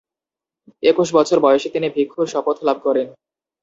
একুশ বছর বয়সে তিনি ভিক্ষুর শপথ লাভ করেন।